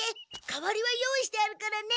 代わりは用意してあるからね！